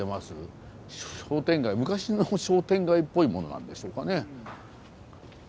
商店街昔の商店街っぽいものなんでしょうかね。